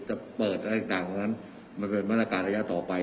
จะเปิดอะไรต่างนั้นมันเป็นมาตรการระยะต่อไป